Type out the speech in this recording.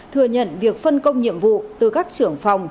thừa nhận việc phân công nhiệm vụ từ các trưởng phòng